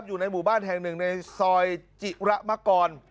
อยู่ในหมู่บ้านแห่งหนึ่งในซอยจิระมกร